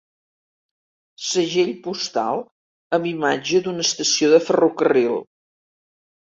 Segell postal amb imatge d'una estació de ferrocarril.